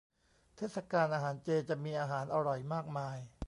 เทศกาลอาหารเจ จะมีอาหารอร่อยมากมาย